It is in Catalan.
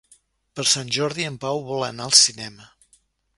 Per Sant Jordi en Pau vol anar al cinema.